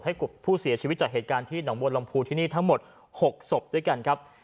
ผู้เสียชีวิตจากเหตุการณ์ที่หนองบัวลำพูที่นี่ทั้งหมด๖ศพด้วยกันครับ